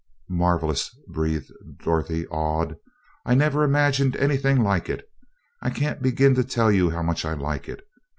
"Marvelous!" breathed Dorothy, awed. "I never imagined anything like it. I can't begin to tell you how much I like it.